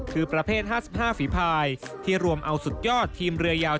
คือประเภท๕๕ฝีภายที่รวมเอาสุดยอดทีมเรือยาว